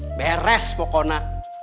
ah beres pokoknya